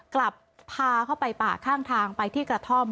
กลับพาเข้าไปป่าข้างทางไปที่กระท่อม